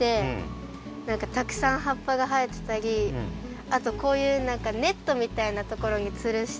たくさんはっぱがはえてたりあとこういうネットみたいなところにつるして。